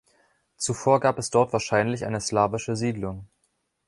Zuvor gab es dort wahrscheinlich eine slawische Siedlung.